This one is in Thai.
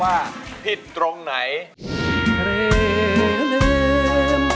ถ้าตอบถูกเป็นคนแรกขึ้นมาเลย